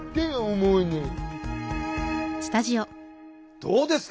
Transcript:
どうですか？